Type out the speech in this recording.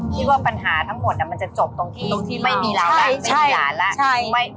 คิดว่าปัญหาทั้งหมดอะมันจะจบตรงที่ตรงที่ไม่มีร้านไม่มีร้านแล้วใช่ใช่